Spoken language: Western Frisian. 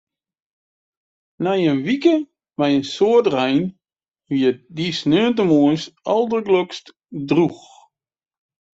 Nei in wike mei in soad rein wie it dy sneontemoarns aldergelokst drûch.